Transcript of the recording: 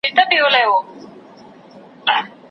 زه له خپلي ژبي لکه شمع سوځېدلی یم